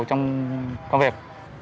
trong công việc